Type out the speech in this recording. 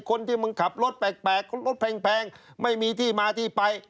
คนที่มึงขับรถแปลกรถแพงไม่มีที่มาที่ไป